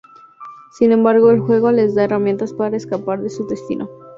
Sin embargo, el juego les da herramientas para escapar de su destino.